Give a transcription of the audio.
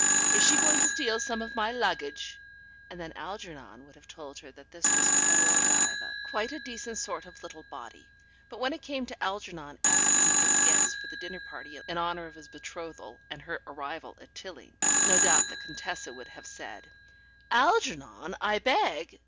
Is she going to steal some of my luggage?" And then Algernon would have told her that this was poor Diva, quite a decent sort of little body. But when it came to Algernon asking his guests for the dinner party in honour of his betrothal and her arrival at Tilling, no doubt the Contessa would have said, "Algernon, I beg